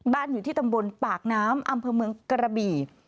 อยู่ที่ตำบลปากน้ำอำเภอเมืองกระบี่